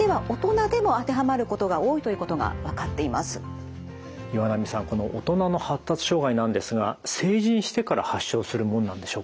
かつて岩波さんこの大人の発達障害なんですが成人してから発症するもんなんでしょうか？